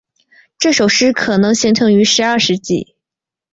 这首诗可能形成于十二世纪。